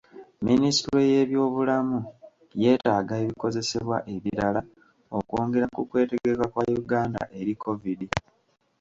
Minisitule y'ebyobulamu yeetaaga ebikozesebwa ebirala okwongera ku kwetegeka kwa Uganda eri kovidi.